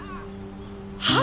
はあ！？